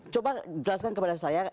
coba jelaskan kepada saya